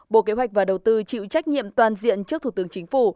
bộ kế hoạch và đầu tư chịu trách nhiệm toàn diện trước thủ tướng chính phủ